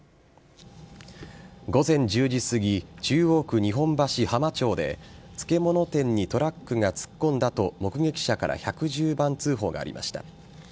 午前１０時すぎ中央区日本橋浜町で漬物店にトラックが突っ込んだと目撃者から１１９番通報がありました。